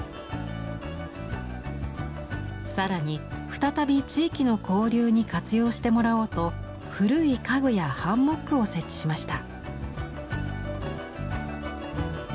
更に再び地域の交流に活用してもらおうと古い家具やハンモックを設置しました。